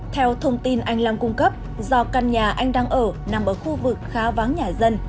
theo thông tin anh long cung cấp do căn nhà anh đang ở nằm ở khu vực khá vắng nhà dân